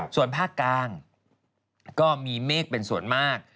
ส่วนภาคกลางก็มีเมฆเป็นส่วนมาก